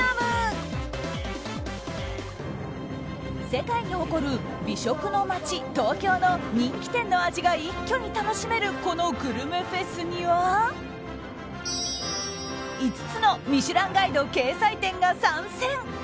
世界に誇る美食の街・東京の人気店の味が一挙に楽しめるこのグルメフェスには５つの「ミシュランガイド」掲載店が参戦。